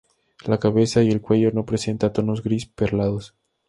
La cabeza y el cuello no presenta tonos gris-perlados.